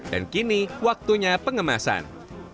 dan kini waktunya pengemasan